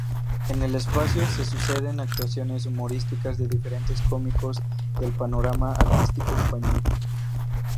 En el espacio se suceden actuaciones humorísticas de diferentes cómicos del panorama artístico español.